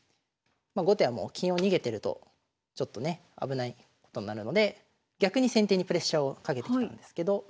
まあ後手はもう金を逃げてるとちょっとね危ないことになるので逆に先手にプレッシャーをかけてきたんですけど。